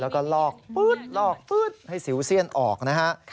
แล้วก็ลอกปื๊ดลอกปื๊ดให้สิวเสี้ยนออกนะฮะ